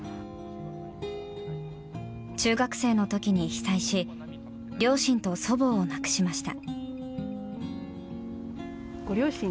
中学生の時に被災し両親と祖母を亡くしました。